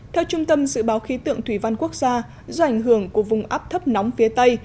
theo trung tâm dự báo khí tượng thủy văn quốc gia do ảnh hưởng của vùng áp thấp nóng phía tây